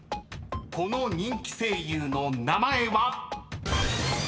［この人気声優の名前は］